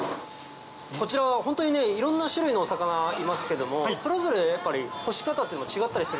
こちらはホントにいろんな種類のお魚いますけどもそれぞれ干し方っていうのは違ったりするんですか？